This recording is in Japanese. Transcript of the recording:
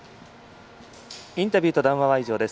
インタビューと談話は以上です。